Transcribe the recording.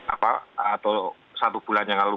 apa atau satu bulan yang lalu